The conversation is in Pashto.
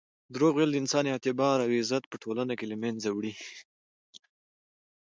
درواغ ویل د انسان اعتبار او عزت په ټولنه کې له منځه وړي.